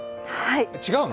違うの？